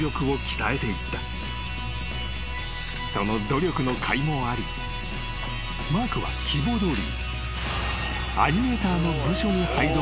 ［その努力のかいもありマークは希望どおり］